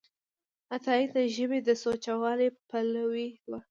عطایي د ژبې د سوچهوالي پلوی و.